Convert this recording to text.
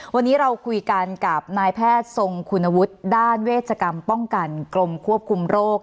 วันนี้เราคุยกันกับนายแพทย์ทรงคุณวุฒิด้านเวชกรรมป้องกันกรมควบคุมโรค